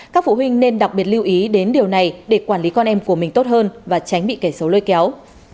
các phụ huynh nên đặc biệt lưu ý đến điều này để quản lý con em của mình tốt hơn và tránh bị kẻ xấu lôi kéo